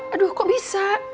aduh kok bisa